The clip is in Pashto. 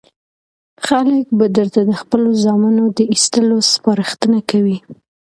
خلک به درته د خپلو زامنو د ایستلو سپارښتنه کوي.